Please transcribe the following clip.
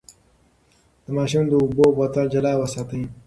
د ماشوم د اوبو بوتل جلا وساتئ.